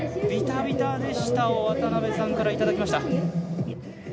ビタビタでしたを渡辺さんから頂きました。